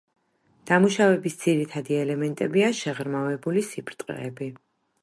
დამუშავების ძირითადი ელემენტებია შეღრმავებული სიბრტყეები.